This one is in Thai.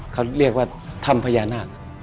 เขาเรียกว่าถ้ำพญานาค